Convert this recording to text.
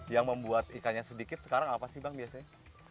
yang membuat ikannya sedikit sekarang apa sih bang biasanya